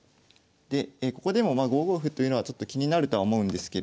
でここでも５五歩というのはちょっと気になるとは思うんですけれども。